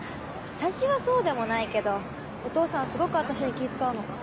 私はそうでもないけどお父さんすごく私に気を遣うの。